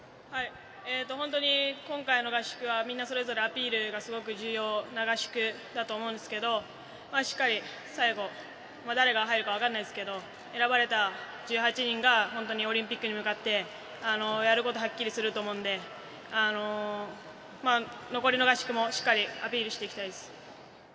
本当に今回の合宿はみんなそれぞれアピールがすごく重要な合宿だと思うんですけどしっかり、最後誰が入るかわからないですけど選ばれた１８人が本当にオリンピックに向かってやることがはっきりすると思うので残りの合宿もしっかりアピールしていきたいです。